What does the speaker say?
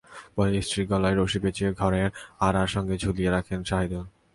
পরে স্ত্রীর গলায় রশি পেঁচিয়ে ঘরের আড়ার সঙ্গে ঝুলিয়ে রাখেন জাহিদুল।